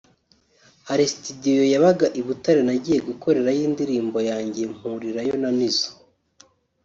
Hari studio yabaga i Butare nagiye gukorerayo indirimbo yanjye mpurirayo na Nizzo